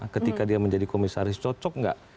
ketika dia menjadi komisaris cocok nggak